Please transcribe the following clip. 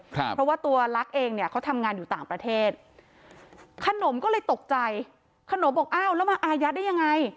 เพราะว่าตัวลักษณ์เองเนี่ยเขาทำงานอยู่ต่างประเทศขนมก็เลยตกใจขนมบอกอ้าวแล้วมาอายัดได้ยังไง